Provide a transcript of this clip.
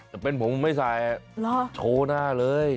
แต่เป็นผมไม่ใส่โชว์หน้าเลย